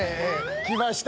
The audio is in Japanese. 来ました！